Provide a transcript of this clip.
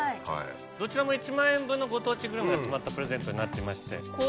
どちらも１万円分のご当地グルメが詰まったプレゼントになってまして。